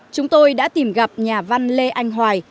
chúng tôi đã tìm gặp nhà văn lê anh hoài